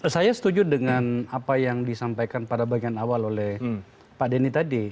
saya setuju dengan apa yang disampaikan pada bagian awal oleh pak denny tadi